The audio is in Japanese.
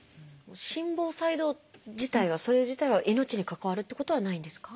心房細動自体はそれ自体は命に関わるってことはないんですか？